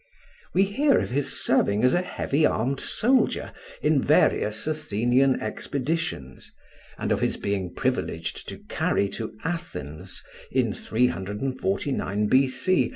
We hear of his serving as a heavy armed soldier in various Athenian expeditions, and of his being privileged to carry to Athens, in 349 B.C.